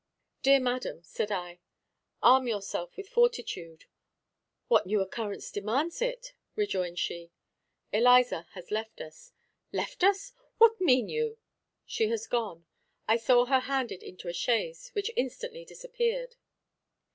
"Dear madam," said I, "arm yourself with fortitude." "What new occurrence demands it?" rejoined she. "Eliza has left us." "Left us! What mean you?" "She has just gone; I saw her handed into a chaise, which instantly disappeared."